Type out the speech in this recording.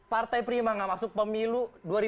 partai prima nggak masuk pemilu